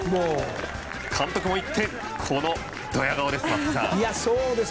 監督も一転、このドヤ顔です。